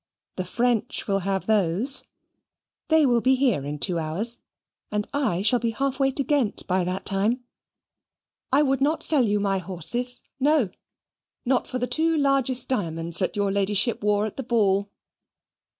The French will have those. They will be here in two hours, and I shall be half way to Ghent by that time. I would not sell you my horses, no, not for the two largest diamonds that your Ladyship wore at the ball."